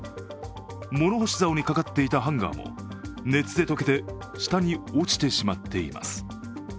物干し竿にかかっていたハンガーも熱で溶けて下に落ちてしまっています。